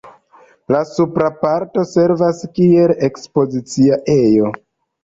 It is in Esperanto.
La supra parto servas kiel ekspozicia ejo.